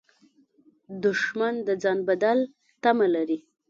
دښمن د ځان بدل تمه لري